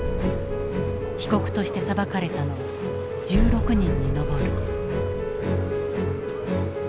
被告として裁かれたのは１６人に上る。